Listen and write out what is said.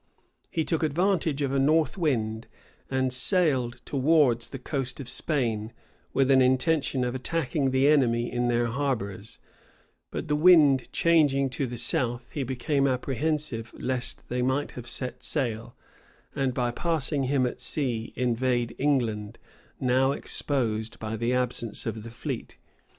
[*] He took advantage of a north wind, and sailed towards the coast of Spain, with an intention of attacking the enemy in their harbors; but the wind changing to the south, he became apprehensive lest they might have set sail, and by passing him at sea, invade England, now exposed by the absence of the fleet.